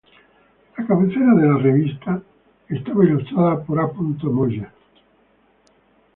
La cabecera de la revista estaba ilustrada por A. Moya.